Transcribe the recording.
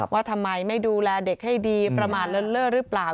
ว่าทำไมไม่ดูแลเด็กให้ดีประมาทเลินเล่อหรือเปล่า